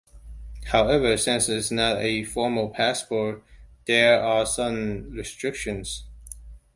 However, since it is not a formal "passport", there are certain restrictions.